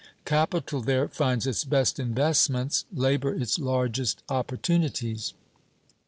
Capital there finds its best investments, labor its largest opportunities.